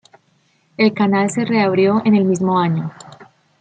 El canal se reabrió en el mismo año.